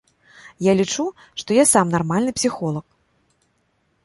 Я лічу, што я сам нармальны псіхолаг.